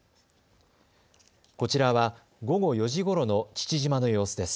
こちらは午後４時ごろの父島の様子です。